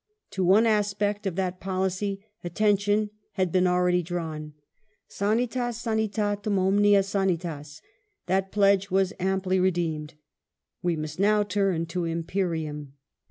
To one aspect of that policy attention had been already drawn. Sanitas sanitatum omnia sanitas. That pledge was amply re deemed. We must now turn to Imperium.